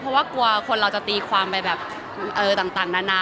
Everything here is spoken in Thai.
เพราะว่ากลัวคนเราจะตีความไปแบบต่างนานา